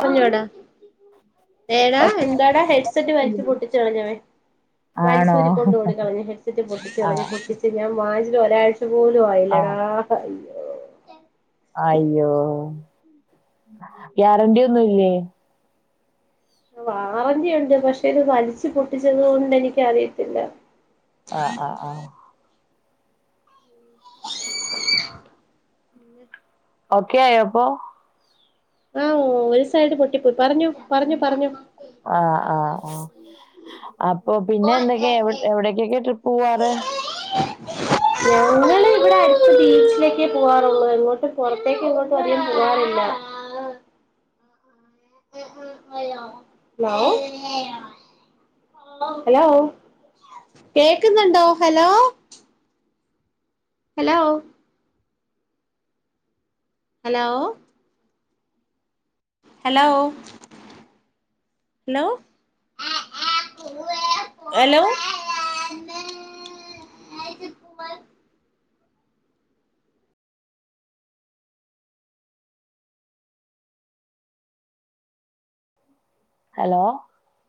പറഞ്ഞോ ട. ഏടാ, ഒക്കെ എന്താടാ, ഹെഡ്സെറ്റ് വലിച്ച് പൊട്ടിച്ചുകളഞ്ഞവൻ. ആണോ വലിച്ചൂരിക്കൊണ്ടോടി കളഞ്ഞു ഹെഡ്സെറ്റ് പൊട്ടിച്ചു ആ കളഞ്ഞിട്ടു. പൊട്ടിച്ചു അത്, ഞാൻ വാങ്ങിച്ച് ഒരാഴ്ച പോലും ആ ആയില്ലടാ, ഹയ്യോ. അയ്യോ, ഗ്യാരണ്ടി ഒന്നൂല്ലേ.? വാറന്റിയൊണ്ട്, പക്ഷെ ഇത് വലിച്ചു പൊട്ടിച്ചത് കൊണ്ട് എനിക്കറിയത്തില്ല. ആഹ്, ആഹ്, ആഹ് [inaudible] ഓക്കെ ആയോ അപ്പൊ? ഉം, ഒരു, സൈഡ് പൊട്ടിപ്പോയി, പറഞ്ഞൊ, പറഞ്ഞൊ, പറഞ്ഞൊ. ആഹ്, ആഹ്, ആഹ് അപ്പൊ, പിന്നെ എന്തൊക്കെയാ, എവിടക്കൊക്കെ ട്രിപ്പ് പോവാറ്? [unintelligible] ഈ അടുത്ത് ബീച്ചിലേക്കേ പോകാറുള്ളൂ, എങ്ങോട്ടും പുറത്തേക്ക് എങ്ങോട്ടും അധികം പോവാറില്ല. ഹലോ ഹലോ, കേക്കുന്നൊണ്ടോ? Hello hello hello hello, hello hello hello